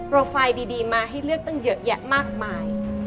ไฟล์ดีมาให้เลือกตั้งเยอะแยะมากมาย